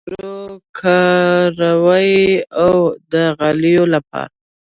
برقی جارو کاروئ؟ هو، د غالیو لپاره